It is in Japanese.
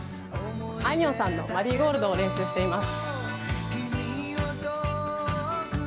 あいみょんさんの「マリーゴールド」を練習しています。